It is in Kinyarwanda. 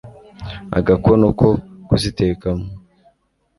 agakono ko kuzitekamo